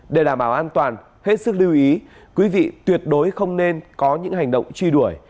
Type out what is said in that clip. để đảm bảo an toàn hết sức lưu ý quý vị tuyệt đối không nên có những hành động truy đuổi